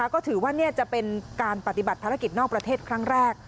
ก็ถือว่าจะเป็นการปฏิบัติภารกิจนอกประเทศครั้งแรก